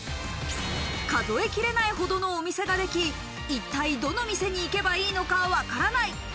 数え切れないほどのお店ができ、一体どの店に行けばいいのかわからない。